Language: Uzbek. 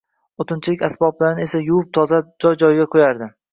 O`tinchilik asboblarini esa yuvib, tozalab joy-joyiga qo`yardi